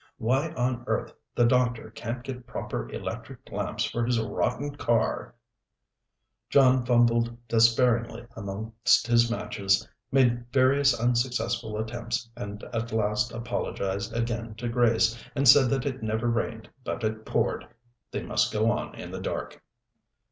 Why on earth the doctor can't get proper electric lamps for his rotten car " John fumbled despairingly amongst his matches, made various unsuccessful attempts, and at last apologized again to Grace, and said that it never rained but it poured. They must go on in the dark.